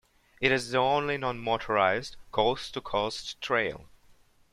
It is the only non-motorized coast-to-coast trail.